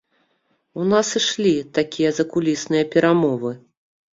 У нас ішлі такія закулісныя перамовы.